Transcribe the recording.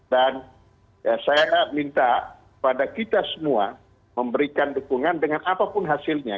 dan saya minta pada kita semua memberikan dukungan dengan apapun hasilnya